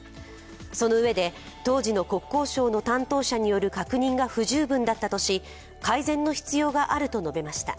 そのうえで、当時の国交省の担当者による確認が不十分だったとし、改善の必要があると述べました。